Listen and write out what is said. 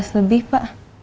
tujuh belas lebih pak